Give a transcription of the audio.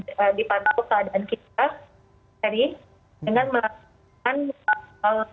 fasilitas tersebut akan dikonsultasikan dan dipantau keadaan kita dengan cara proses penyelesaian